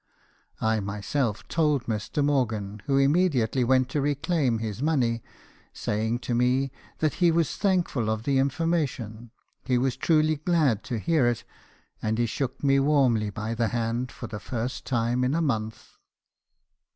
I myself told Mr. Morgan, who immediately went to reclaim his money; saying to me, that he was thankful of the information; he was truly glad to hear it; and he shook me warmly by the hand for the first time for a month.